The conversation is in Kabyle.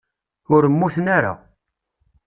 Ur mmuten ara.